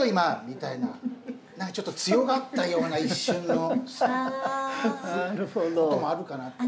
みたいな何かちょっと強がったような一瞬のこともあるかなって。